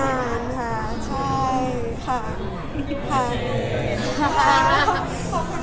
แล้วทำไมเขาไม่ได้การไปอ่ะ